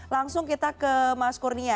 langsung kita ke mas kurnia